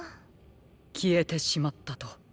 きえてしまったと。